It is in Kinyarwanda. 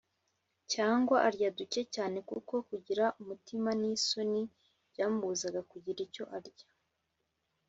cyangwa arya duke cyane kuko kugira umutima n’isoni byamubuzaga kugira icyo arya.